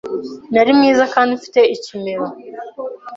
Nari mwiza kandi mfite ikimero